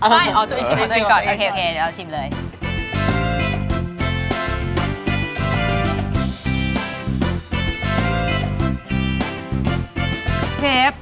ไม่อ๋อตัวเองชิมของตัวเองก่อนโอเคเดี๋ยวเราชิมเลยชิมของตัวเองก่อน